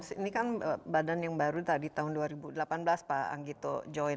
ini kan badan yang baru tadi tahun dua ribu delapan belas pak anggito join